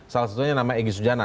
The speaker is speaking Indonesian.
salah satunya nama egy sujana